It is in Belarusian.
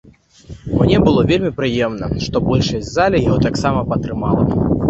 Мне было вельмі прыемна, што большасць залі яго таксама падтрымала.